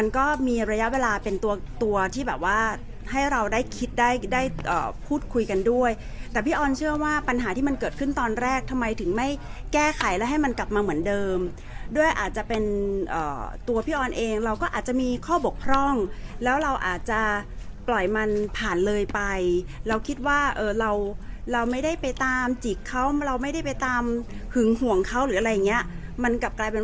ก็มีระยะเวลาเป็นตัวตัวที่แบบว่าให้เราได้คิดได้ได้พูดคุยกันด้วยแต่พี่ออนเชื่อว่าปัญหาที่มันเกิดขึ้นตอนแรกทำไมถึงไม่แก้ไขแล้วให้มันกลับมาเหมือนเดิมด้วยอาจจะเป็นตัวพี่ออนเองเราก็อาจจะมีข้อบกพร่องแล้วเราอาจจะปล่อยมันผ่านเลยไปเราคิดว่าเออเราเราไม่ได้ไปตามจิกเขาเราไม่ได้ไปตามหึงห่วงเขาหรืออะไรอย่างเงี้ยมันกลับกลายเป็น